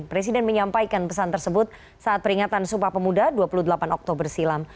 presiden menyampaikan pesan tersebut saat peringatan sumpah pemuda dua puluh delapan oktober silam